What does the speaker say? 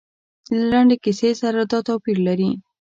له لنډې کیسې سره دا توپیر لري.